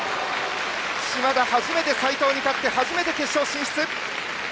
嶋田、初めて齊藤に勝って初めて決勝進出！